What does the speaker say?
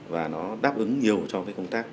và nó đáp ứng nhiều cho công tác